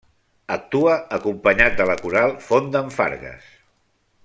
Actua acompanyat de la Coral Font d'en Fargues.